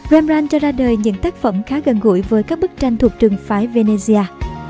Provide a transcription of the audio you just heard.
rembrandt cho ra đời những tác phẩm khá gần gũi với các bức tranh thuộc trường phái venezia